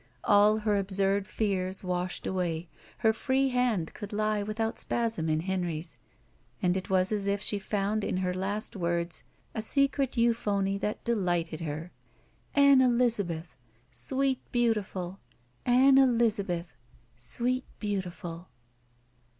All her absurd fears washed away, her tree hand could lie without q>asm in Henry's, and it was as if she found in her last words a secret euphony that delighted her. "* "Ann Elizabeth. Sweet beautiful. Ann Elizabeth. Sweet beautiful."